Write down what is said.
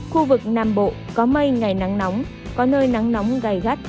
khu vực nam bộ có mây ngày nắng nóng có nơi nắng nóng gai gắt